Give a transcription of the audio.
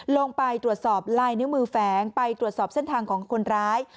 ลงไปตรวจสอบลายนิ้วมือแฝงไปตรวจสอบเส้นทางของคนร้าย